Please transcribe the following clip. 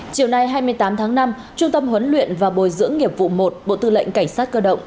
chiều nay hai mươi tám tháng năm trung tâm huấn luyện và bồi dưỡng nghiệp vụ một bộ tư lệnh cảnh sát cơ động